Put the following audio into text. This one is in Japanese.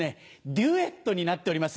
デュエットになっております。